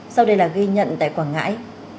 sau đây là ghi nhận tại quảng ngãi